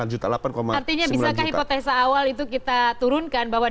itu kita turunkan bahwa di indonesia kita bisa mencari internet